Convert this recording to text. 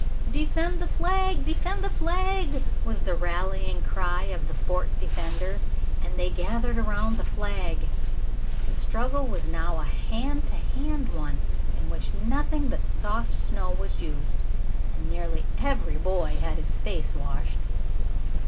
"Defend the flag! Defend the flag!" was the rallying cry of the fort defenders, and they gathered around the flag. The struggle was now a hand to hand one, in which nothing but soft snow was used, and nearly every boy had his face washed.